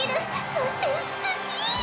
そして美しい！